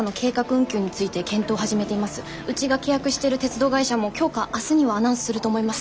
うちが契約してる鉄道会社も今日か明日にはアナウンスすると思います。